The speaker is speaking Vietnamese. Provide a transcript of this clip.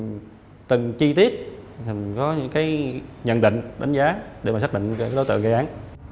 mình từng chi tiết mình có những cái nhận định đánh giá để mà xác định cái đối tượng gây án